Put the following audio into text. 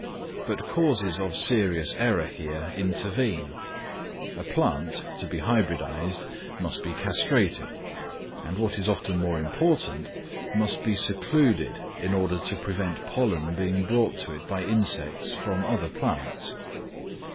But causes of serious error here intervene: a plant, to be hybridised, must be castrated, and, what is often more important, must be secluded in order to prevent pollen being brought to it by insects from other plants.